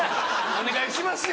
お願いしますよ。